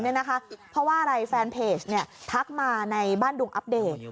เพราะว่าอะไรแฟนเพจทักมาในบ้านดุงอัปเดต